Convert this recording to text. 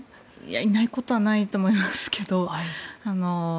いないことはないと思いますけど。